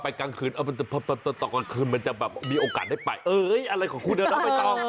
กลางคืนตอนกลางคืนมันจะแบบมีโอกาสได้ไปเอ้ยอะไรของคุณนะน้องใบตอง